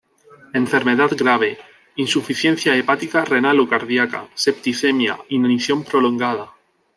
Enfermedad grave: insuficiencia hepática, renal o cardiaca; septicemia, inanición prolongada.